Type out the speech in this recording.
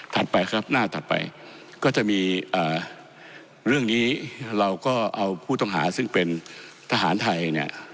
ไปครับหน้าถัดไปก็จะมีเรื่องนี้เราก็เอาผู้ต้องหาซึ่งเป็นทหารไทยเนี่ย